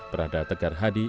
prada tegar hadi